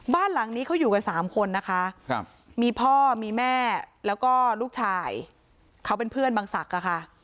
บ้านหลังนี้เขาอยู่กัน๓คนนะคะมีพ่อมีแม่แล้วก็ลูกชายเขาเป็นเพื่อนบางศักดิ์อะค่ะ